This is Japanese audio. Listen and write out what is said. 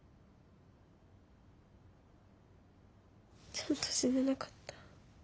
ちゃんと死ねなかった。